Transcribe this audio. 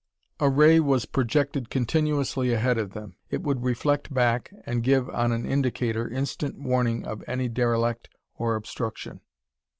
A ray was projected continuously ahead of them; it would reflect back and give on an indicator instant warning of any derelict or obstruction.